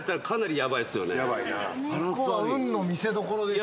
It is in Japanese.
ここは運の見せどころでしょ。